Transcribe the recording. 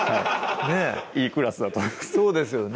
いいクラスだと思いますそうですよね